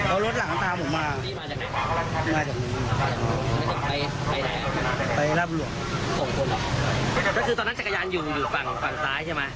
ก็คือตอนนั้นจักรยานยนอยู่ฝั่งฝั่งซ้ายใช่ไหม